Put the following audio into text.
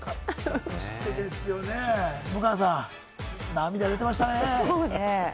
そして下川さん、涙出ていましたね？